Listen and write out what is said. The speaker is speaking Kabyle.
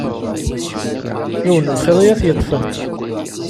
Yiwen n lxiḍ i d ad t -yeṭṭfen.